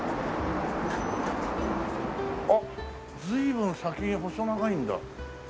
あっ随分先に細長いんだ。